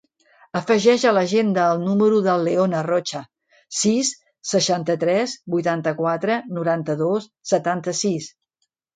Afegeix a l'agenda el número del León Arrocha: sis, seixanta-tres, vuitanta-quatre, noranta-dos, setanta-sis.